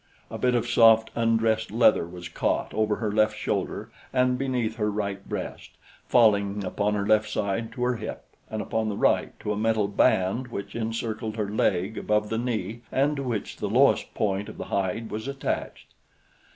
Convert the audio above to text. A bit of soft, undressed leather was caught over her left shoulder and beneath her right breast, falling upon her left side to her hip and upon the right to a metal band which encircled her leg above the knee and to which the lowest point of the hide was attached.